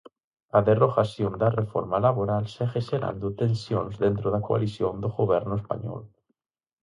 A derrogación da reforma laboral segue xerando tensións dentro da coalición do goberno español.